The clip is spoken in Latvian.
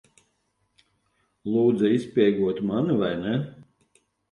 Lūdza izspiegot mani, vai ne?